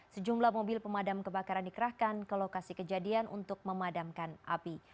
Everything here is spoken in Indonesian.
sejumlah mobil pemadam kebakaran dikerahkan ke lokasi kejadian untuk memadamkan api